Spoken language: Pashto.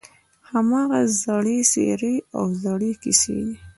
هماغه زړې څېرې او زړې کیسې دي.